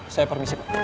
saya permisi pak